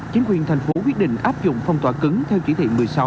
chính quyền thành phố quyết định áp dụng phong tỏa cứng theo chỉ thị một mươi sáu